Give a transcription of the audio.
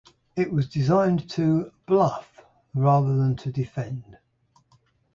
It was designed to "bluff" rather than to defend.